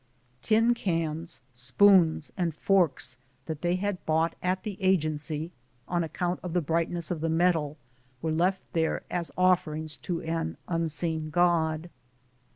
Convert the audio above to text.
Tin cans, spoons, and forks, that they had bought at the Agency, on account of the brightness of the metal, were left there as offerings to an unseen God.